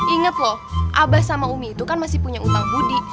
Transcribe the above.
ingat loh abah sama umi itu kan masih punya utang budi